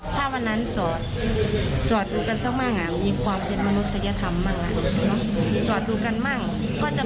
ไม่เสียชีวิตมาเราก็อยากให้เขามาดูมารับผิดชอบ